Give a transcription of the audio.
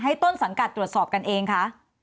ต้นสังกัดตรวจสอบกันเองคะ